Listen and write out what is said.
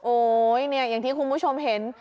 โอ๊ยเนี่ยอย่างที่คุณผู้ชมเห็น